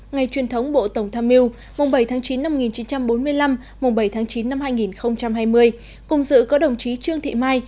ngày truyền thống bộ tổng tham mưu bảy chín một nghìn chín trăm bốn mươi năm bảy chín hai nghìn hai mươi cùng giữ có đồng chí trương thị mai